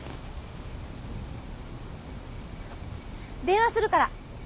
電話するから。